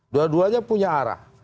dua duanya punya arah